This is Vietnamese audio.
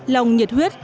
lòng nhiệt huyết